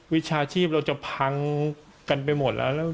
วิชาชีพเราจะพังกันไปหมดแล้ว